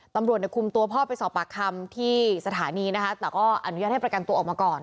ตำรวจคุมตัวพ่อไปสอบปากคำที่สถานีนะคะแต่ก็อนุญาตให้ประกันตัวออกมาก่อน